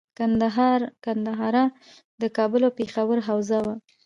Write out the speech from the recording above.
ګندهارا د کابل او پیښور حوزه وه